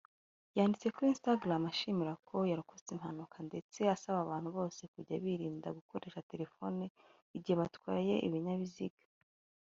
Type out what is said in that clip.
yanditse kuri Instagram ashimana ko yarokotse impanuka ndetse asaba abantu bose kujya birinda gukoresha telefone igihe batwaye ibinyabiziga